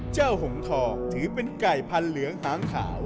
เจ้าหงธองถือเป็นไก่พันธุ์เหลืองหางขาว